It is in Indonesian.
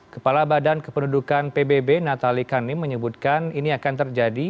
kepala badan kependudukan pbb natali kanim menyebutkan ini akan terjadi